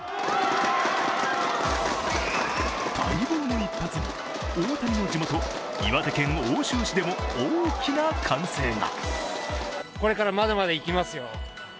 待望の一発に、大谷の地元・岩手県奥州市でも大きな歓声が。